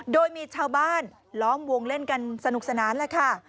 โดยมีชาวบ้านล้อมวงเล่นกันสนุกสนานแหละค่ะ